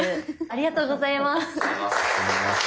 ありがとうございます！